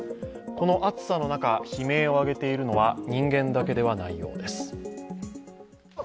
この暑さの中、悲鳴を上げているのは人間だけではないようです。